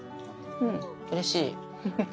うんうれしい。